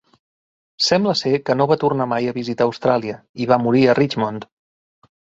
Sembla ser que no va tornar mai a visitar Austràlia, i va morir a Richmond.